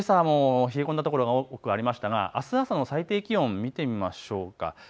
けさも冷え込んだ所、多くありましたが、あす朝の最低気温を見てみましょうか。